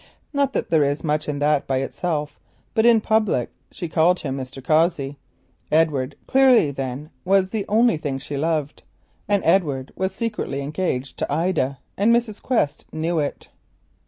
Not that there was much in that by itself, but in public she called him "Mr. Cossey." "Edward" clearly then was the "only thing she loved," and Edward was secretly engaged to Ida, and Mrs. Quest knew it.